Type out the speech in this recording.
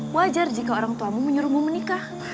wajar jika orang tuamu menyuruhmu menikah